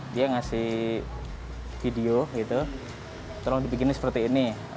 dia ngasih video gitu tolong dibikin seperti ini